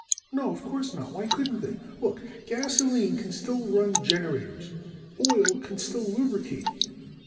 "No, of course not. Why couldn't they Look. Gasoline can still run generators. Oil can still lubricate.